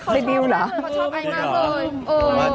เขาชอบไอ้น้องเลย